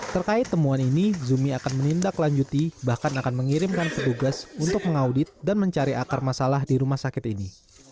terkait temuan ini zumi akan menindaklanjuti bahkan akan mengirimkan petugas untuk mengaudit dan mencari akar masalah di rumah sakit ini